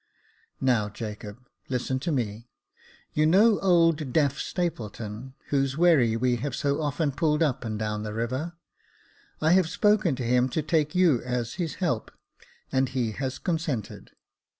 Now, Jacob, listen to me. You know old deaf Stapleton, whose wherry we have so often pulled up and down the river ? I have spoken to him to take you as his help, and he has consented.